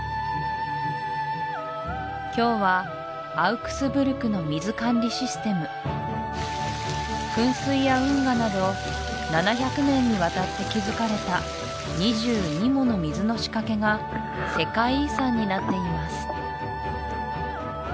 今日はアウクスブルクの水管理システム噴水や運河など７００年にわたって築かれた２２もの水の仕掛けが世界遺産になっています